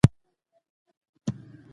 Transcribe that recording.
ښه خواړه بدن ته، خو مینه زړه ته ځواک ورکوي.